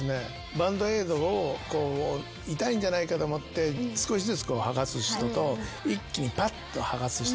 バンドエイドを痛いんじゃないかと思って少しずつ剥がす人と一気にパッと剥がす人がいるじゃない。